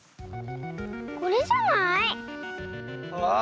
これじゃない？わあ！